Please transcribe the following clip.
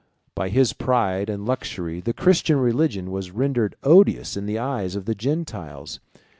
By his pride and luxury, the Christian religion was rendered odious in the eyes of the Gentiles.